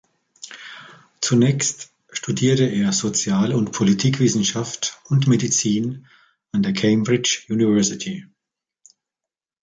Zunächst studierte er Sozial- und Politikwissenschaft und Medizin an der Cambridge University.